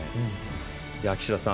岸田さん